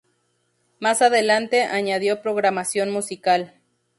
Más adelante, añadió programación musical.